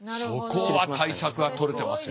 そこは対策は取れてますよ。